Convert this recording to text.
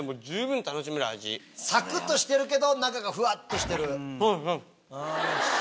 サクっとしてるけど中がふわっとしてる。